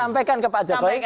sampaikan ke pak jokowi